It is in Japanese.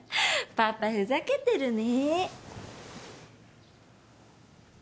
パパふざけてるね。